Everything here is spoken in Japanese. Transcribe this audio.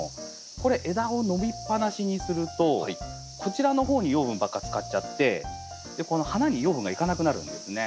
これ枝を伸びっぱなしにするとこちらの方に養分ばっか使っちゃってこの花に養分が行かなくなるんですね。